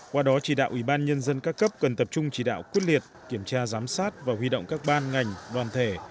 qua đó chỉ đạo ubnd các cấp cần tập trung chỉ đạo quyết liệt kiểm tra giám sát và huy động các ban ngành đoàn thể